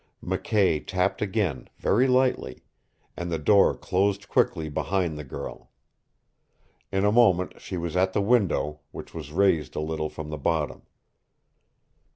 McKay tapped again, very lightly, and the door closed quickly behind the girl. In a moment she was at the window, which was raised a little from the bottom.